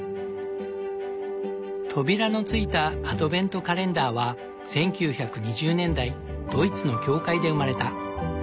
扉のついたアドベントカレンダーは１９２０年代ドイツの教会で生まれた。